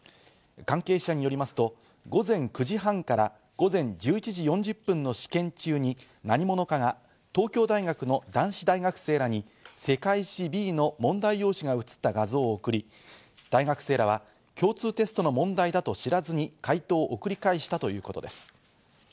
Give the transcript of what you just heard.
関係者によりますと、午前９時半から午前１１時４０分の試験中に何者かが東京大学の男子大学生らに世界史Ｂの問題用紙が写った画像を送り、大学生らは共通テストの問題だと知らずに解答を送り返したということです。